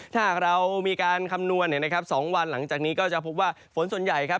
ถ้าหากเรามีการคำนวณเนี่ยนะครับ๒วันหลังจากนี้ก็จะพบว่าฝนส่วนใหญ่ครับ